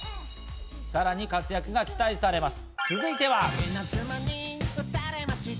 さらに活躍が期待されます。